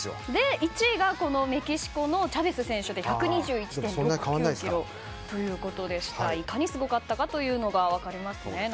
１位がメキシコのチャベス選手で１２１．６９キロでいかにすごかったが分かりますね。